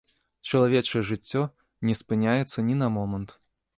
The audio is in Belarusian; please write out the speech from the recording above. Чалавечае жыццё не спыняецца ні на момант.